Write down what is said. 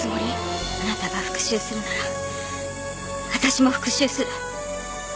あなたが復讐するなら私も復讐する。